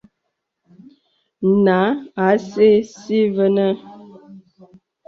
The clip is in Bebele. Nǎ à sɛ̀ɛ̀ si və̀nə̀.